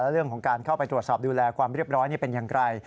เรื่องของการเข้าไปตรวจสอบดูแลความเรียบร้อยนี่เป็นอย่างไร